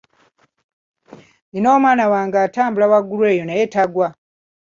Nina omwana wange atambulira waggulu eyo naye tagwa.